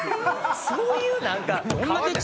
そういう、なんか。